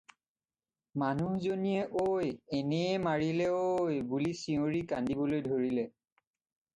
মানুহজনীয়ে "ঔ তেনেয়ে মাৰিলে ঔ!" বুলি চিঞৰি কান্দিবলৈ ধৰিলে।